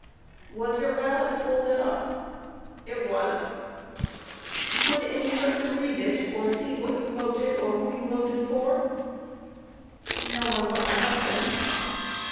Q. Was your ballot folded up? A. It was. Q. Could any person read it, or see what you voted, or who you voted for? A. No one but my husband.